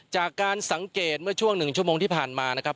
จากการสังเกตเมื่อช่วง๑ชั่วโมงที่ผ่านมานะครับ